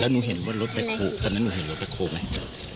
แล้วหนูเห็นว่ารถแบ็คโฮตอนนั้นหนูเห็นรถแบ็คโฮไหม